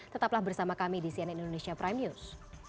tetaplah bersama kami di cnn indonesia prime news